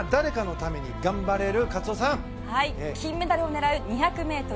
金メダルを狙う２００メートル